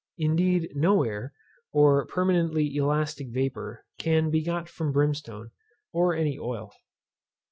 Indeed no air, or permanently elastic vapour, can be got from brimstone, or any oil.